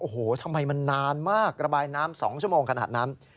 โอ้โหทำไมมันนานมากระบายน้ำ๒ชั่วโมงขนาดนั้น